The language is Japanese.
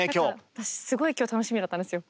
私すごい今日楽しみだったんですよ。